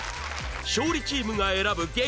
勝利チームが選ぶ激